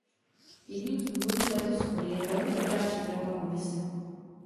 Jedním z důvodů této shody je velmi dobrá příprava Komise.